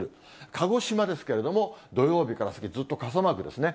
鹿児島ですけれども、土曜日から先、ずっと傘マークですね。